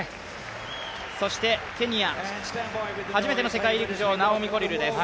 そしてケニア、初めての世界陸上、ナオミ・コリルです。